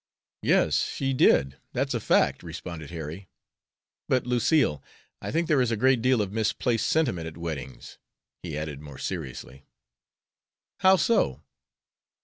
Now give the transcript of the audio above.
"Yes, she did; that's a fact," responded Harry. "But, Lucille, I think there is a great deal of misplaced sentiment at weddings," he added, more seriously. "How so?"